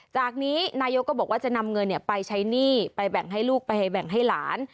จากนี้นายกก็บอกว่าจะนำเงินไปใช้หนี้ไปแบ่งให้ลูกไปแบ่งให้หลาน